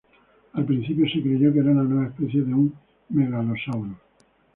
Al principio se creyó que era una nueva especie de un "Megalosaurus".